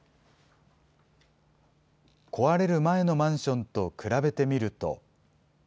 壊れる前のマンションと比べてみると。